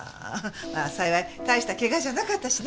まあ幸い大したケガじゃなかったしね。